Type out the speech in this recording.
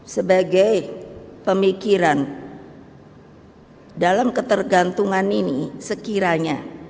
sebagai pemikiran dalam ketergantungan ini sekiranya